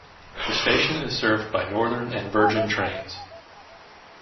The station is served by Northern and Virgin Trains.